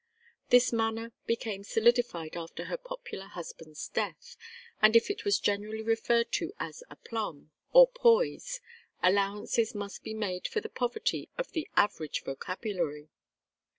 This manner became solidified after her popular husband's death, and if it was generally referred to as "aplomb" or "poise," allowances must be made for the poverty of the average vocabulary.